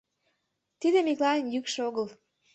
Тиде Миклайын йӱкшӧ огыл.